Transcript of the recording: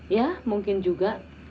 ya mungkin juga